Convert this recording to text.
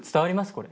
これ。